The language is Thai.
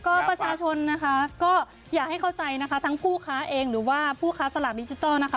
ก็ประชาชนนะคะก็อยากให้เข้าใจนะคะทั้งผู้ค้าเองหรือว่าผู้ค้าสลากดิจิทัลนะคะ